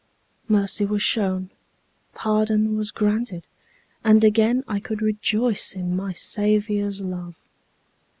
Mercy was shown, pardon was granted, and again I could rejoice in my Saviour's love.